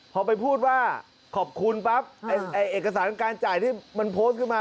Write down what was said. พอไปพูดว่าขอบคุณปั๊บเอกสารการจ่ายที่มันโพสต์ขึ้นมา